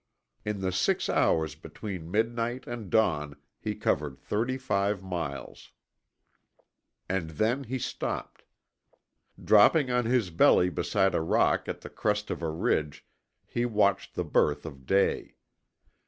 In the six hours between midnight and dawn he covered thirty five miles. And then he stopped. Dropping on his belly beside a rock at the crest of a ridge he watched the birth of day.